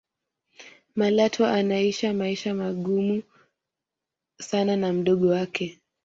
malatwa anaisha maisha magumu sana na mdogo wake